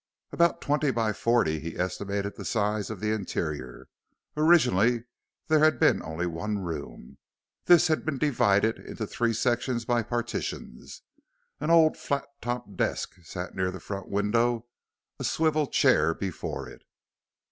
About twenty by forty, he estimated the size of the interior. Originally there had been only one room. This had been divided into three sections by partitions. An old, flat topped desk sat near the front window, a swivel chair before it.